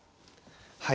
はい。